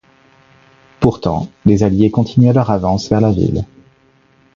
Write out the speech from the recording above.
Pourtant les Alliés continuaient leur avance vers la ville.